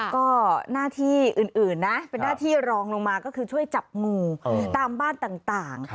ก็หน้าที่อื่นนะเป็นหน้าที่รองลงมาก็คือช่วยจับงูตามบ้านต่าง